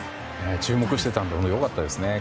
注目していたので良かったですね。